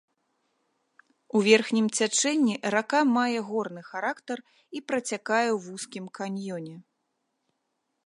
У верхнім цячэнні рака мае горны характар і працякае ў вузкім каньёне.